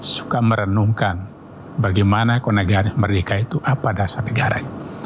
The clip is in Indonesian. suka merenungkan bagaimana kemerdekaan mereka itu apa dasar negara